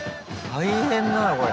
大変だなこれ。